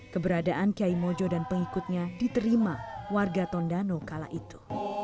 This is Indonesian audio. keberadaan kiai mojo dan pengikutnya diterima warga tondano kala itu